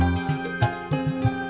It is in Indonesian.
aduh aduh aduh